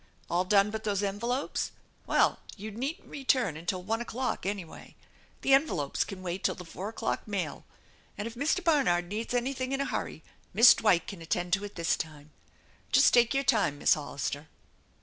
All done but those envelopes? Well, you needn't return until one o'clock, anyway. The envelopes can wait till the four o'clock mail, and if Mr. Barnard needs anything in a hurry Miss Dwight can attend to it this time. Just take your time, Miss Hollister."